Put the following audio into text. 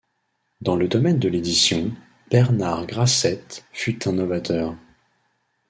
Dans le domaine de l’édition, Bernard Grasset fut un novateur.